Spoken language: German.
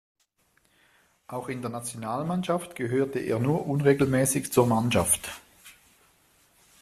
Auch in der Nationalmannschaft gehörte er nur unregelmäßig zur Mannschaft.